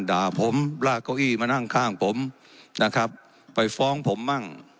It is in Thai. ด่าผมลากเก้าอี้มานั่งข้างผมนะครับไปฟ้องผมมั่ง